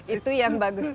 itu yang bagus